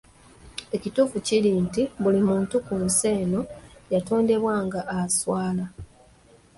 Ekituufu kiri nti buli muntu ku nsi kuno yatondebwa nga aswala.